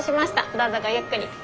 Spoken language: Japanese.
どうぞごゆっくり。